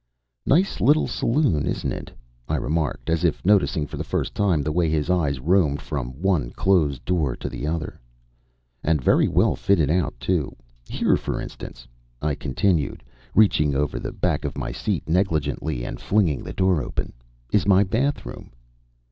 "Nice little saloon, isn't it?" I remarked, as if noticing for the first time the way his eyes roamed from one closed door to the other. "And very well fitted out, too. Here, for instance," I continued, reaching over the back of my seat negligently and flinging the door open, "is my bathroom."